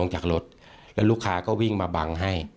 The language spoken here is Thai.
จากรถแล้วลูกค้าก็วิ่งมาบังให้